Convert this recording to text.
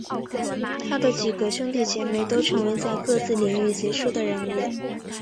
他的几个兄弟姐妹都成为在各自领域杰出的人物。